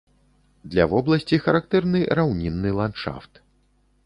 Для вобласці характэрны раўнінны ландшафт.